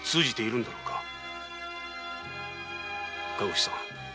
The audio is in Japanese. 川口さん